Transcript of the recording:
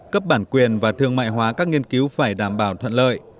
cấp bản quyền và thương mại hóa các nghiên cứu phải đảm bảo thuận lợi